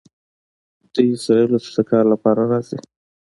دوی اسرائیلو ته د کار لپاره راځي.